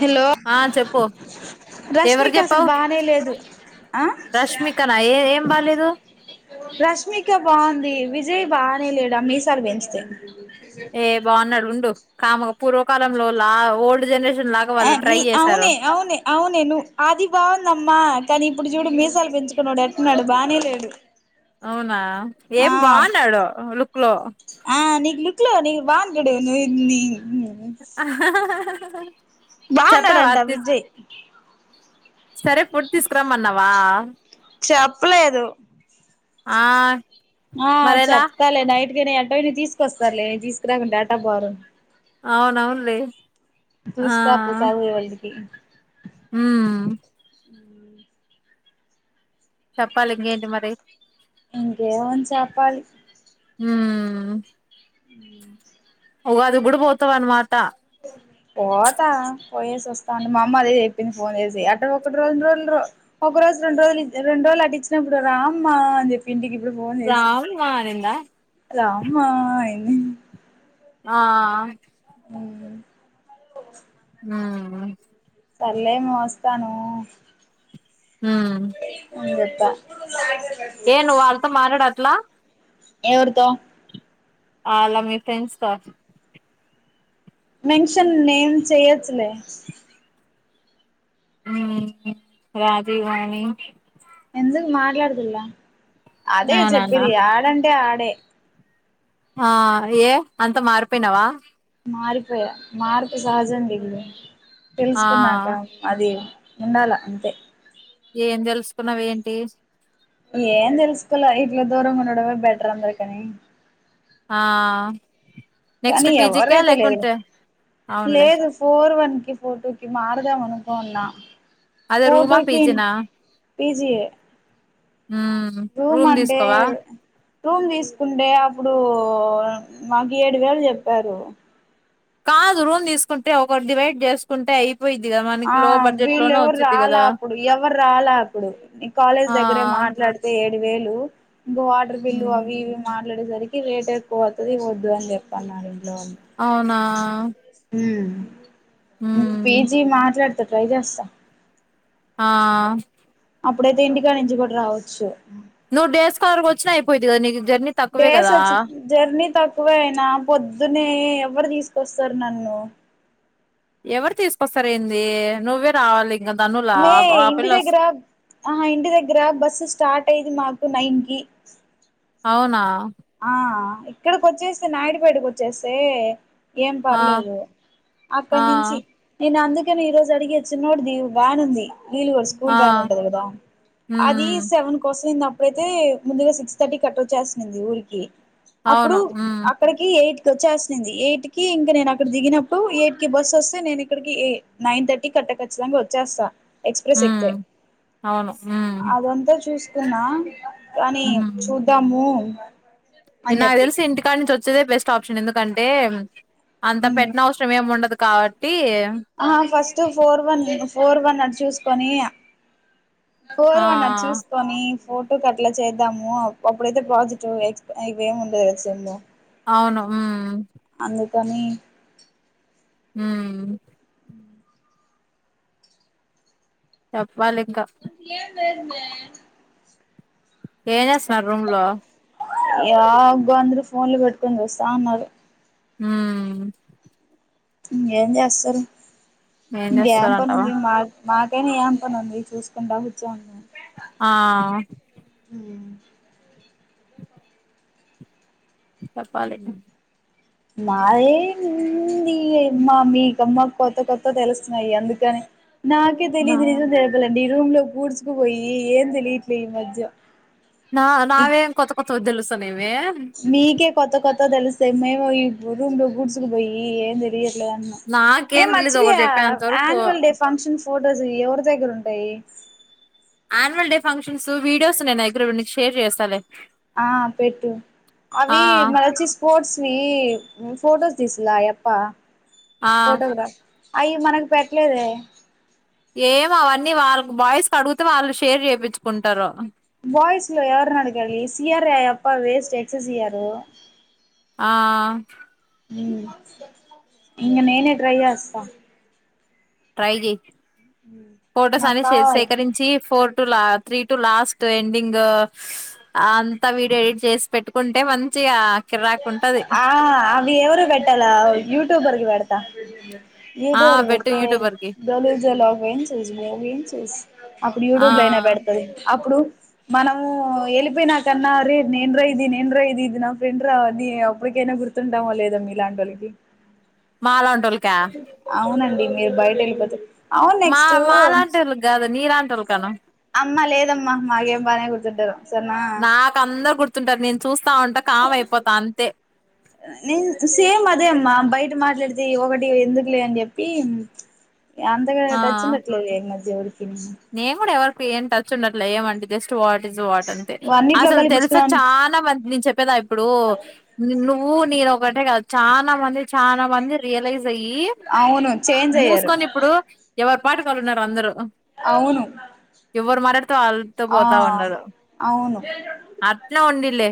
Hello ఆ చెప్పు ఎవరు రష్మిక అసలు చెప్పావు బానే లేదు రష్మికనా ఏ ఏం బాలేదు రష్మిక బాగుంది, విజయ్ బా లేడా మీసాల్ పెంచుతుండు. ఏ బాగున్నాడు ఉండు. కామన్ పూర్వకాలంలో లా ఓల్డ్ జనరేష్న్, ఆ నీ అవునె అవునె అవునె నువ్ ఆది బావుందమ్మ, కానీ ఇప్పుడు చూడు మీసాలు పెంచుకున్నాడు, ఎట్టున్నాడు బానే లేడు అవునా ఆ ఏం బాగున్నాడు, లుక్ లో లోని బావుండుడెంది నీ ఆహా హ హ ఉహు బాగున్నాడంట విజయ్, సరే ఫుడ్ తీసుకురమన్నవ్, వా చెప్పలేదు ఆ ఆ మరెలా చెప్పాలి నైట్, ఇప్పుడు ఎటైన తీసుకొస్తారులే తీసుకురాకుంట ఏటాపోరు. అవును, అవునులే తీస్కోతే చాలు ఎవలిటికి, ఉ ఊమ్ చెప్పాలి ఇంకేంటి మరి, ఇంకేమని చెప్పాలి ఉమ్మ్ ఉమ్ ప్చ్ ఉగాదికి గ్గుడు పోతావన్ మాట పోతా పోయేసి ఒస్తాండు మా అమ్మ అదే చెప్పింది, ఫోన్ చేసి అటు ఒకట్రోండు డ్రోలు ఒక రోజు రొండు రోజులు రెండు రోజులు అటు ఇచ్చినప్పుడు రామ్మ అని చెప్పి ఇంటికి. ఇప్పుడు ఫోన్ చేసి రామ్మా అనింద రామ్మా ఏమైం ఆ ఉమ్ ప్చ్ మ్మ్ హ్మ్ సర్లే మా వస్తాను హ్మ్ నేన్ బెట్టా ఏ నువ్ వాల్తో మాటాడట్లా ఎవరితో ఆ అలా మీ ఫ్రెండ్స్ తో మెన్షన్ నేమ్ చేయచ్చులే ఉమ్ రాజీ వాణి ఎందుకు మాట్లాడుదుల్ల అదేగా అవునన్న చెప్పేది ఆడంటే ఆ డే ఆ ఏ అంత మార్పేనావా మారిపోయా మార్పు సహజం బిగులు ఆ తెలుసుకున్నాక అది ఉండాల అంతే ఏం తెలుసుకున్నావి ఏంటి ఏం తెలుసుకోలే ఇట్ల దూరం గుండడమే బెటర్ అందరుకనీ ఆహ్ కానీ ఎవరైతే లేదు. అవునులే సున్నా అదే రూమా ఫోటోకిన్ పీజినా పీజీ ఏ రూమ్ అంటేవ్ రూమ్ తీసుకుంటే అప్పుడు మాకు ఏడు వేలు చెప్పారు కాదు రూమ్ తీసుకుంటే ఒకరు డివైడ్ చేసుకుంటే అయి ఆ వీళ్ళు ఎవరు రాలా కదా అప్పుడు, ఎవరు రాలా అప్పుడు నీ కాలేజ్ ఆ దగ్గరే మాట్లాడితే. ది వేలు బాడర్ బిల్లు అవి ఇవి మ్మ్ ఆ ట్లాడే సరికి రేట్ ఎక్కువ అవుతుది వద్దు అని చెప్ప అన్నారు. అవునా అహ మి పిజి మార్ మాట్లాడతా ట్రై చేస్తా ఆ అప్పుడైతే ఇంటికా నుంచి కూడా రావచ్చు నువ్ డే స్కాలర్ గా వచ్చినా అయిపోయిది కదా నీకు జర్నీ తక్కువే డేస్ కదా వచ్చి జర్నీ తక్కువే అయినా పొద్దునే ఎవరు తీసుకొస్తారు నన్ను ఎవరు తీసుకొస్తారు ఏంది నువ్వే రావాలి ఇంకా ధనులా మే ఆ ఇంటి పిల్ల వస్ దగ్గర ఆ ఇంటి దగ్గర బస్సు స్టార్ట్ అయేది మాక్ కు నైన్ కి అవునా ఆ ఇక్కడికొచ్చేస్తే నాయడిపేటకి వచ్చేస్తే ఏం ఆ పర్లేదు ఆ అక్కడి నుంచి నేను అందుక్ కానీ ఈ రోజు అడిగి చిన్నోడిది వాన్ ఉంది వీళ్లు స్కూల్ ఆ వ్యాన్ ఉంటది కదా అది ఉమ్ సెవెన్ కోస్తుం ఇప్పుడైతే ముందుగా సిక్స్ థర్టీ కి అట్ట వచ్చేస్తున్నింది ఊరి కి అప్పుడు అవును ఉమ్ అక్కడికి ఎయిట్ వచ్చేసింది ఎయిట్ కి ఇంకా నేను అక్కడ దిగినప్పుడు ఎయిట్ కి బస్ వస్తే నేను ఇక్కడికి నైన్ థర్టీ కట్ట ఖచ్చితంగా వచ్చేస్తా ఎక్స్ప్రెస్ ఎక్కితే ఉమ్ అవును ఉమ్ అదంతా చూసి తున్న కానీ చూద్దాము బ ఇ నాకు తెల్సి ఇంటి కాడ నుంచి వచ్ చ్చేదే బెస్ట్ ఆప్షన్ ఎందుకంటే అంత పెట్టినవసరం ఏం ఉండదు కాబట్ ఆ first four one four one at చూసుకొని ఆ ఫోర్ వన్ అట్ చూసుకొని ఫోర్ టు కట్ల చేద్దాము అప్పుడైతే పాజిటివ్ ఎక్స్ ఇవేమి ఉండదు కదా సెమ్ము అవును ఉమ్ కానీ ఉమ్ చెప్పాలి ఇంక అంత ఏం లేదు మే ఏం చేస్తున్నారు రూమ్ లో యా గో అంద్రూ ఫోన్లు పెట్టుకొన్ చూస్తాన్నారు హ ఏం చేస్తారు ఏం ఇంకేం పని చేస్తారంటావా ఉంది మాకైనా ఏం పని ఉంది చూసుకుంటా కూర్చొని ఉంటా ఆ ఉమ్ చెప్పాలి మాయేంది అమ్మా మీకమ్మ కొత్త కొత్త తెలుస్తున్నాయి అందుకని నాకే నా తెలిదు నిజం చెప్పాలి అంటే రూమ్ లో కూడ్చుకుపోయి ఏం తెలియట్లే ఈ మధ్య నా నావేం కొత్త కొత్త వద్దదులు మీకే కత్త కత్త ో తెలిస్తే మేము ఈ రూమ్ లో గూడ్సుకు పోయి ఏం తిరిగి నాకేం మేచ్చ తెలీదు ఒకటి చెప్పేంత వరకు ఆనువల్ డే ఫంక్షన్ ఫొటోస్ ఎవరి దగ్గర ఉంటాయి న్యువల్ డే ఫంక్షన్స్ వీడియోస్ నే దగ్గర నుంచి షేర్ చేస్తాలే ఆ పెట్టు ఆ అవి మరి వచ్చి స్పోర్ట్స్ ఫోటోస్ తీసులా అప్ప ఆ ఫోటోగ్రాఫ్ అయి మనకు పెట్టలేదు ఏం అవన్నీ వాళ్ళ బాయ్స్ క అడుగుతే వాళ్ళు షేర్ చేయించుకుంటారు బాయ్స్ లో ఎవరు నడగాి సి ర్ అ అప్ప వేస్ట్ ఎక్స సయారూ ఆ ఇంక నేనే ట్రై చేస్తా టై చేయి ఫోటోస్ నాకు అని కావాలి సేకరించి ఫో త్రీ టు లాస్ట్ ఎండింగ్ అంతా వీడియో ఎడిట్ చేసి పెట్టుకుంటే మంచిగా కిరాక్ ఉంటది ఆ అవి ఎవరు బట్టాల ూట్యూబర్ కి పెడతా త్త ఆ ఏదో పెట్టు యూట్యూబర్ కి బలాగ్ ఏ చూ బ్గ ఏ చూ అప్పుడు ఆ యూట్యూబ్ లో అయినా పెడతుది అప్పుడు మనము వెళ్ళపోయి నాకన్నారే నేను్ర ఇది నేను్రా ఇది ఇది నా ఫ్రెండ్ నీ ఒప్పటికైనా గుర్తుంటామో లేదమ్ మీ ఇలాంటి వాళ్ళకి మాల కా మీరు బయట వెళ్ళపోతే అవును నెక్స్ట్ మాలాంటోళ్ళకి కాదు నీలాంటోళ్ళు కను అమ్మా లేదమ్మా మాగేం బానే కు తుంటరు నాక్ అందర్ గుర్ ర్తుంటారు నేను చూస్ నేన్ సేమ్ అదే అమ్మా బయ ట మాట్లాడితే ఒకటి ఎందుకులే అని చెప్పి గ అంతగా ఆ టచ్ ఉండట్లే ఏం కాద్ దేవుడు నేను కూడా ఎవ్వర్ కి ఏం టచ్ ఉండట్లే ఏమంటే జస్ట్ స్ట్ వాట్ ఇస్ వాట్ అంతే అన్నిట్లో అసలు తెలుసా కల్పించుకున్నాను చాలా మంది నేన్ చెప్ చెప్పేదా ఇప్పుడు నువ్వు నేను ఒకటే కాదు చాలా మంది చాలా మంది రియలైజ్ అయ్యి అవును చేంజ్ అయ్యారు ఎవరు పాటకాలు ఉన్నారు అందరు అవును ఎవరు మరారు అల్తూ ఆ పోతా ఉన్నారుడు అవును అట్లా ఉండిలే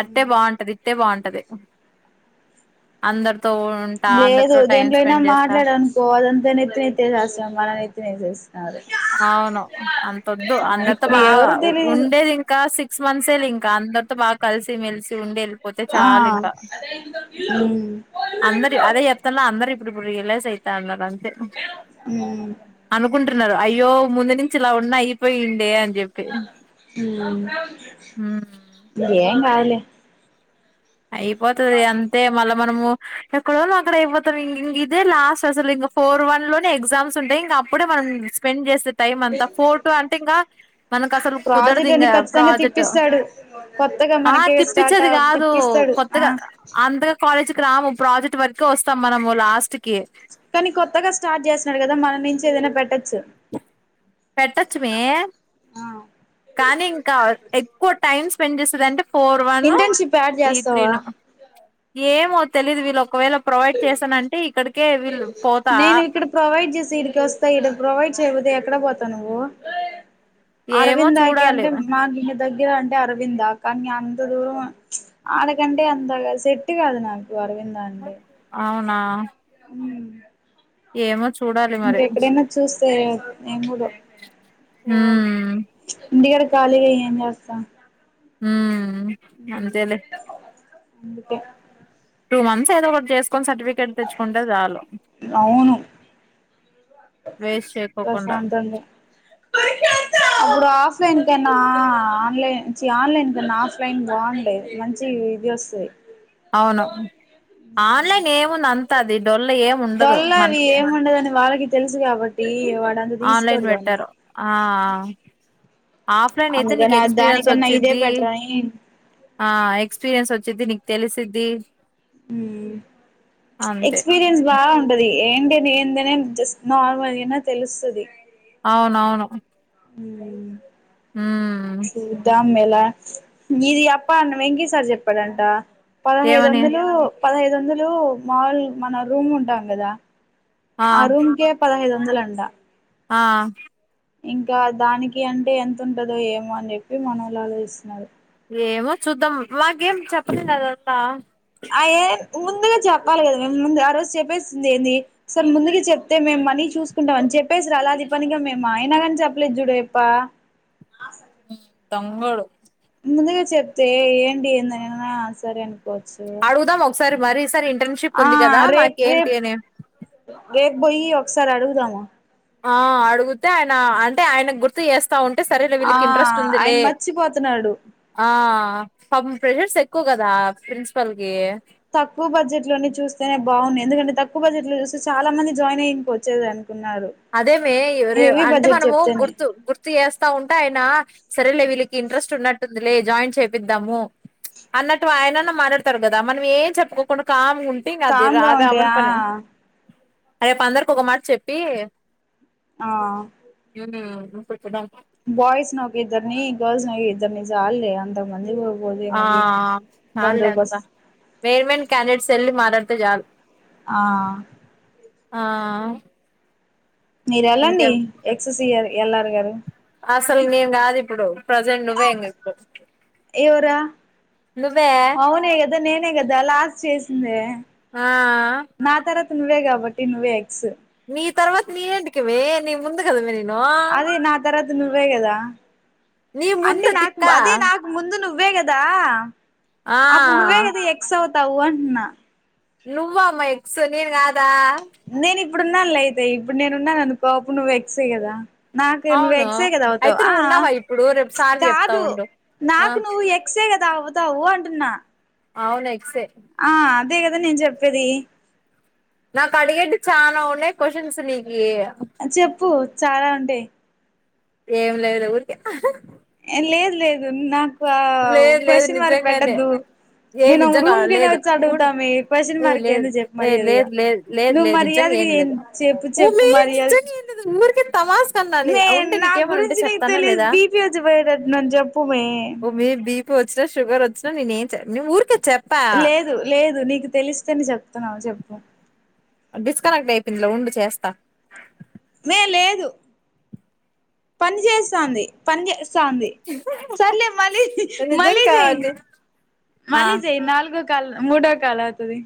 అట్టే బాగుంటది ఇట్టే బాగుంటంది అందర లేదు దేంట్లో అయినా చేస్తా మాట్లాడనుకో అదంతా నెత్తినెత్సేస్తం మన నెత్తినేసేస్తున్నారు అవును అంత వద్దు అందరితో ఇప్పుడు బాగా ఎవరు తెలీదు ఉండేది ఇంకా సిక్స్ మంత్స్ ఇంకా అందరితో బ కలిసి మెలిసి ఉండే పోతే ఆ చాల ఇంకా ఉమ్ అందరి అదే చెప్తన్నా అందరి ఇప్పుడు పడిలే సతా అంద అనుకుంట అయ్యో ముందు నుంచి ఇలా ఉన్న అయిపోయిండే చెప్పి హ్మ్ మ్ ఏం కాద్ లే అయిపోతుది అంతే మళ్ళ మనము ఎక్కడోళ్ళు అక్కడ అయిపోతాం ఇ ఇంగ ఇదే లాస్ట్ అసలు ఇంగ ఫోర్ వన్ లోనే ఎగ్జామ్స్ ఉంటాయి ఇంగ అప్పుడే మనం స్పెండ్ చేస్తే టైమ్ అంతా ఫోర్టు అంటే ఇంగ మనకు అసలు కుదరదు ప్రాజెక్ట్ ఇంగ అని ఖచ్చితంగా ప్రాజెక్ట్ తిప్పిస్తాడు కొత్తగా ఆ మనకే స్టార్ట్ తిప్పిచ్చేది కాదు ఓ తిప్పిస్తాడు ఆ కొత్తగా అంతగా కాలేజ్ కి రాము ప్రాజెక్ట్ వర్క్ వస్తాం మనము లాస్ట్ కి కానీ కొత్తగా స్టార్ట్ చేస్సన్నడు కదా మన నుంచి ఏదైనా పెట్ట టచ్చు పెట్టచ్చు మే కానీ ఇంకా ఎక్కువ టైమ్స్ పన్ చేస్తదంటే ఫోర్ వన్నో ఇంటర్న్షిప్ యాడ్ ఈ త్రీ చేస్తావా నో ఏమ్ తెలిదు విలొ వీళ్ళు పోతా నేను ఇక్కడ ప్రొవైడ్ చేసి ఇడికి వస్తాయ్ ఇ ప్రొవైడ్ చేయపోతే ఎక్కడ పో పోతావ్ నువ్వు ఏమో అరవిందాకి చూడాలి అంటే మాకింక దగ్గర అంటే అరవింద కానీ ఎంత దూరం ప్చ్ ఆడకంటే అంతగా సెట్టు కాదు నాకు అరవిందా అండి అవునా హుమ్ ఏమో చు ఇంకెక్కడైనా చూస్తే నేను కూడా పోల ఉమ్ ఇంటికాడ కాలిగా ఏమ్ చేస్తం హుమ్ అం అంతేలే అందుకే టూ మంత్స్ ఎదో ఒకటి చేస్కొని సర్టిఫికేట్ టిక్కెట్ తెచ్చుకుంటే చాలు అవును వేస్ట్ చేయ్ కోకుండా ప్రశాంతంగా అప్పుడు ఆఫ్లైన్ కన్నా చీ ఆన్లైన్ ఆన్లైన్ కన్నా ఆఫ్లైన్ బాగుండేది మంచి ఇది వస్తది అవును ఆన్లైన్ ఏముంది అంత అది డొల్ల ఏమి ఉండదు డొల్ల అవి మనకి ఏం ఉండదని వాళ్ళకి తెలుసు కాబట్టి వాడు అంత ఆన్లైన్ తీసుకోడు దాన్ని పెట్టారు ఆ ఆఫ్లైన్ అయితే నీకు అందుకని ఎక్స్పీరియన్స్ దానికన్నా ఇదే వచ్చిది బెటర్ అని ఆ ఎక్స్పీరియన్స్ వచ్చిది నీ తెలిసిది హుమ్ ఎక్స్పీరియన్స్ బాగ్ ఉంటది ఏంటిది ఎందనే జస్ట్ నార్మల్గా అయినా తెలుస్తది అవునవును అ హుమ్ మేళ ఇది అప్పన్ వెంకి సార్ చెప్పాడంట ఏమని పదహైదొందలు పదహైదు వందలు మాముల్ మన రూమ్ ఉంటాం కదా ఆ రూంకే పదహైద్ వందలు అంట ఆ ఇంకా దానికి అంటే ఎంత ఉంటదో ఏమో అని చెప్పి మనళ ఆలోచిస్తున్నారు ఏమో చూద్దాం మాకేం చెప్పలే అదంతా అయ ముందుగా చెప్పాలి కదా మేము ముందు ఆ రోజు చెప్పేసింది ఏంది సార్ ముందుకి చెప్తే మేము మనీ చూసుకుంటాం అని చెప్పేసిరు అలా అది పనిగా మేము ఆయనాగాని చెప్పలేదు చూడయప్ప దొంగోడు ముందుగా చెప్తే ఏంటి ఏందనా సరే అను పచ్చు సార్ మరి సార్ ఇ ఆ రేపు రేపు బొయ్యి ఒక ఒకసారి అడుగుదామా ఆ అడుగుతే ఆయన అంటే ఆయన గుర్తు చేస్త స్తా ఉంటే సరేలే ఆ వీళ్ళకి ఇంట్రెస్ట్ ఆయన ఉందిలే మర్చిపోతున్నాడు ఆ ప్రెషర్స్ ఎక్కువ కదా ప్రిన్సిపల్ కి తక్కువ బడ్జెట్ లో చూస్తేనే బాగున్నాయి ఎందుకంటే తక్కువ బడ్జెట్ లో చూసి చాలా మంది జాయిన్ అయి ఇంక వచ్చేదాన్ని అదేమే అంటే మనము చెప్తేనే గుర్తు గుర్తు చేస్తా ఉంటే ఆయనా సరేలే వీళ్ళకి ఇంట్రెస్ట్ ఉన్నట్టుందిలే జాయిన్ చేపిద్దాము అన్నట్టు ఆయనన్న మాట్లాడతారు కదా మనం ఏం చెప్పుకోకుండా కా ఉంటంగా అది కామ్గా రాద ఉంటే అవను ఆ పన రేపు అందరికి ఒక మాట చెప్పి ఆ ఉ పెట్టడా బాయ్స్ నకిద్దర్ని గర్ల్స్ నవద్దర్నీ చాలులే అంత మంది ఆ చాలే అంతా బేర్ మేన్ క్యాడిడేట్స్ ఎల్ మార త్త చాలు ఆ ఆ మీరు వెళ్ళండి ఇంకేం ఎక్సయ్యాలి ఎల్ ఆర్ గారు అసలు నేను కాదు ఇప్పుడు ప్రజెంట్ నువ్వే ఇ ఇప్పుడు ఎవరా నువ్వే చేసింది ఆ నువ్వే కాబట్టి నువ్వే ఎక్స్ నీ తర్వాత నీ ఏంటికిమే నీ ముందు కదామ అదే నా తర్వాత నువ్వేగదా నీ అంటే ముందు నాకు తిక్క అదే నాకు ముందును నువ్వే కదా ఆ అప్పుడు నువ్వే కదా ఎక్సౌత్ అవుతావు అంటూనా నువ్వమ్మ ఎక్స్ నేను కాదు దా ఆ ఇప్పుడు ఉన్నాను లే అయితే ఇప్పుడు నేను ఉన్నాను ఇప్పుడు నువ్వు ఎక్స్ కదా నాకు నువ్వు అవును ఎక్సే కదా అవుతావు అయితే ఆ నువ్వు ఉన్నావా ఇప్పుడు రేపు సార్ కి చెప్తా కాదు ఉండు ఆ నాకు నువ్వు ఎక్సే కద తావుతావు అంటున్నా అవును ఎక్సే ఆ అదే అదే నేను చెప్పేది నాకు అడిగేటివి చాలా ఉన్నాయి క్వశ్చన్స్ నీకు ఏమో చెప్పు చాలా ఉంటాయి ఏం లేదు ఊరికె లేదు లేదు నేను రూమ్ కైనా లేదు వచ్చి లేదు క్వశ్చన్ మార్క్ నిజంగానే పెట్టొద్దు ఏ నిజంగా లేదు వచ్చి ఉన్ అడుగుతాము క్వ్చన్ ఏ మార్క్ లేదు ఏంది చెప్పు ఏ మర్యాదగా లేదు లేదు లేదు నువ్వు లేదు నిజంగా మర్యాగా ఏం ఏ లేదు చెప్పు చెప్పు ఉమ్మి మర్యాదగా నిజంగా ఏం లేదు ఊరికే తమాషా అన్నాను ఉంటే నీకేమైనా ఉంటే గురించి నీకు తెలిదు బీపి తత్నం చ్ ప్ మీకు బీపీ వచ్చిన షుగర్ వచ్చిన నేను ఊరికే వచ్చిన నేనేం చెప్పను లేదు లేదు నీకు తెలిస్తేనే చెప్తున్నావు చెప్పు డిస్కనెక్ట్ అయిపోందిలే ఉండు చేస్తా మే లేదు పని చేస్తోంది పని చేసే చేస్తాది సర్లే మలీ నిజంగా మలీజై అండి ఆ మలీజై నాలుగు కండ్లు మూడు కాళ్లు అవుతది